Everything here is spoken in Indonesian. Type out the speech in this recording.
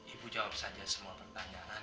ibu jawab saja semua pertanyaan